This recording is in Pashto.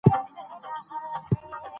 افغانستان کې د کلي د پرمختګ هڅې روانې دي.